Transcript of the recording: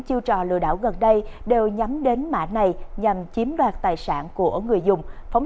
chiêu trò lừa đảo gần đây đều nhắm đến mã này nhằm chiếm đoạt tài sản của người dùng phóng